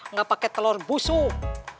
nggak pakai telur busuk